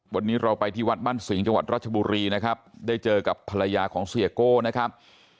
วันนี้เราไปที่วัดบ้านสิงห์จังหวัดรัชบุรีนะครับได้เจอกับภรรยาของเสียโก้นะครับ